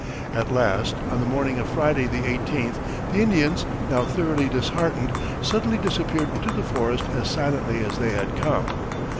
At last, on the morning of Friday, the eighteenth, the Indians, now thoroughly disheartened, suddenly disappeared into the forest as silently as they had come.